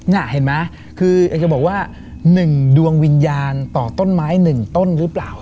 อเจมส์อาจจะบอกว่า๑ดวงวิญญาณต่อต้นไม้๑ต้นหรือเปล่า